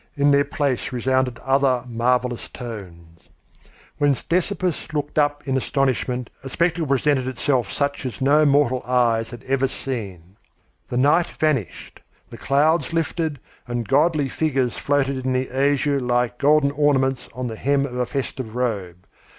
In their place resounded other, marvellous tones. When Ctesippus looked up in astonishment, a spectacle presented itself such as no mortal eyes had ever seen. The night vanished. The clouds lifted, and godly figures floated in the azure like golden ornaments on the hem of a festive robe.